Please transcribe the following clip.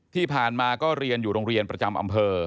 ที่ผ่านมาก็เรียนอยู่โรงเรียนประจำอำเภอ